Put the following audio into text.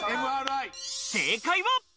正解は。